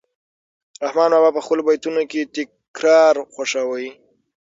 رحمان بابا په خپلو بیتونو کې تکرار خوښاوه.